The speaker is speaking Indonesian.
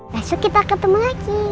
besok kita ketemu lagi